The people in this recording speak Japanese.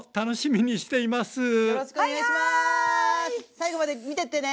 最後まで見てってね。